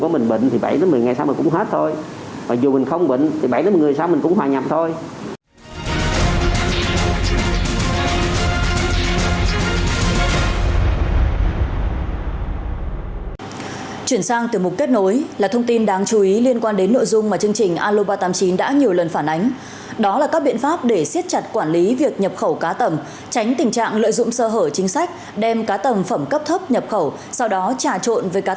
mình phải nên thực hiện năm k dù có mình bệnh thì bảy một mươi ngày sau mình cũng hết thôi